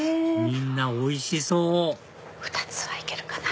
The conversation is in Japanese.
みんなおいしそう２つはいけるかな。